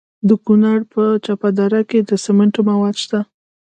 د کونړ په چپه دره کې د سمنټو مواد شته.